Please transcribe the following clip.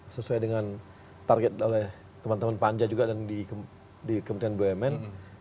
sesuai dengan target oleh teman teman panja juga dan di kementerian bumn